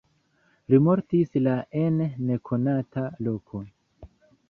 Li mortis la en nekonata loko.